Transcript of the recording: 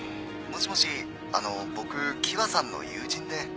☎もしもしあの僕喜和さんの友人で